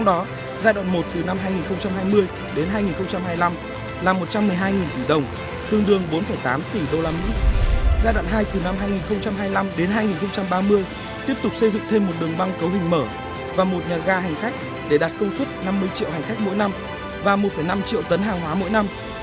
giai đoạn hai từ năm hai nghìn hai mươi năm đến hai nghìn ba mươi tiếp tục xây dựng thêm một đường băng cấu hình mở và một nhà ga hành khách để đạt công suất năm mươi triệu hành khách mỗi năm và một năm triệu tấn hàng hóa mỗi năm